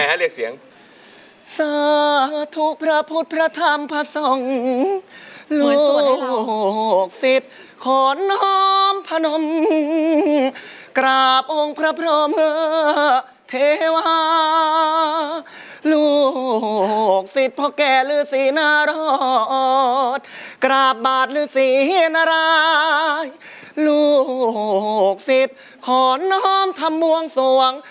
เรียกเสียงทำอย่างไรครับเรียกเสียง